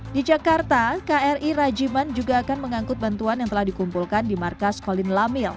di jakarta kri rajiman juga akan mengangkut bantuan yang telah dikumpulkan di markas kolin lamil